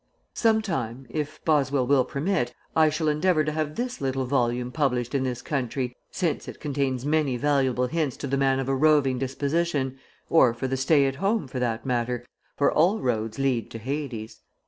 Some time, if Boswell will permit, I shall endeavor to have this little volume published in this country since it contains many valuable hints to the man of a roving disposition, or for the stay at home, for that matter, for all roads lead to Hades.